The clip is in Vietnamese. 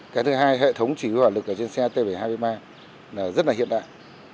cái thứ hai hệ thống chỉ huy hoạt lực ở trên xe t bảy mươi ba là rất là hiện đại